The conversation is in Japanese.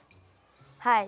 はい。